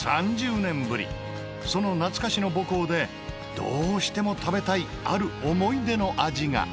その懐かしの母校でどうしても食べたいある思い出の味が。